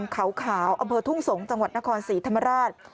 เขาขาวอำเภอทุ่งสงศ์จังหวัดนครศรีธรรมราช